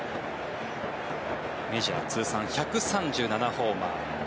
メジャー通算１３７ホーマー。